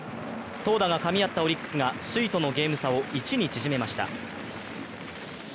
投打がかみ合ったオリックスが首位とのゲーム差を１に縮めました。